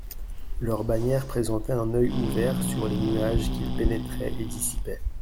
Leur bannière présentait un oeil ouvert sur les nuages qu'il pénétrait et dissipait.